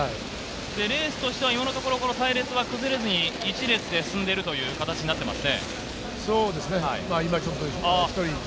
レースとしては今のところ隊列は崩れずに１列で進んでいるというそうですね。